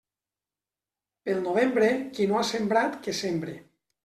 Pel novembre, qui no ha sembrat, que sembre.